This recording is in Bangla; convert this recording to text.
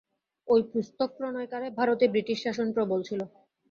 ঐ পুস্তক-প্রণয়নকালে ভারতে ব্রিটিশ শাসন প্রবল ছিল।